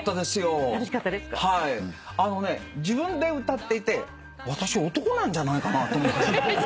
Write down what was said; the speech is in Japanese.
あのね自分で歌っていて私男なんじゃないかなと。